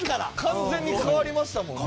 完全に変わりましたもんね。